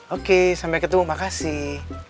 oke sampai ketemu makasih